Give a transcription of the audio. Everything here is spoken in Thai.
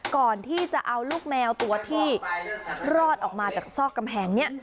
ก่อนที่จะเอาลูกแมวตัวที่รอดออกมาจากซอกกำแพงนี้